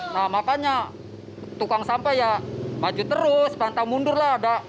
nah makanya tukang sampah ya maju terus pantang mundur lah